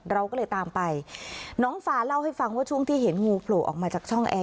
เราก็เลยตามไปน้องฟาเล่าให้ฟังว่าช่วงที่เห็นงูโผล่ออกมาจากช่องแอร์